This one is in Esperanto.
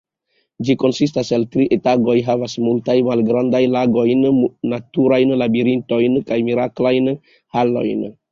Ĝi konsistas el tri etaĝoj, havas multajn malgrandajn lagojn, naturajn labirintojn kaj miraklajn halojn.